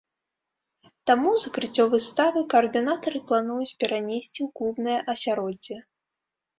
Таму закрыццё выставы каардынатары плануюць перанесці ў клубнае асяроддзе.